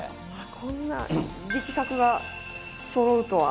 こんな力作がそろうとは。